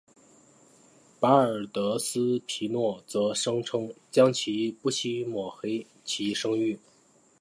巴尔德斯皮诺则声称将不惜抹黑其声誉。